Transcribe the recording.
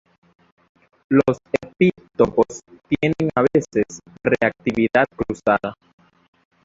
Los epítopos tienen a veces reactividad cruzada.